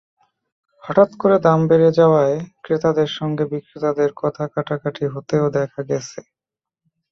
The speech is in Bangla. হঠাৎ করে দাম বেড়ে যাওয়ায় ক্রেতাদের সঙ্গে বিক্রেতাদের কথা-কাটাকাটি হতেও দেখা গেছে।